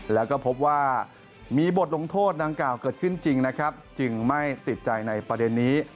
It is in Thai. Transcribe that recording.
แล้วก็พบว่ามีบทลงโทษดังกล่าวเกิดขึ้นจริงนะครับจึงไม่ติดใจในประเด็นนี้